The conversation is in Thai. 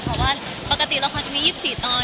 เพราะว่าปกติเราควรจะมี๒๔ตอนแต่เรามี๑๙ตอน